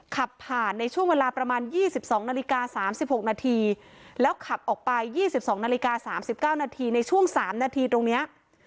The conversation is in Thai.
ขับผ่านในช่วงเวลาประมาณ๒๒นาฬิกา๓๖นาทีแล้วขับออกไป๒๒นาฬิกา๓๙นาทีในช่วง๓นาทีตรงนี้